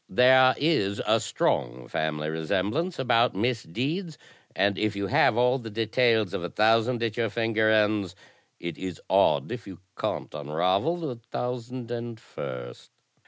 There is a strong family resemblance about misdeeds, and if you have all the details of a thousand at your finger ends, it is odd if you can't unravel the thousand and first.